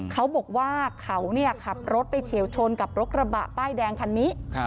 เขาบอกว่าเขาขับรถไปเฉียวชนกับรถกระบะป้ายแดงคันนี้